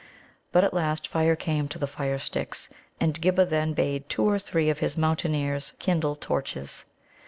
But at last fire came to the firesticks, and Ghibba then bade two or three of his Mountaineers kindle torches.